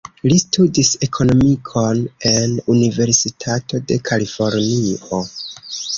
Li studis ekonomikon en Universitato de Kalifornio.